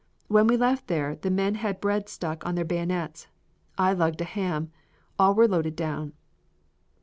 When we left there, the men had bread stuck on their bayonets. I lugged a ham. All were loaded down.